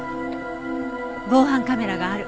防犯カメラがある。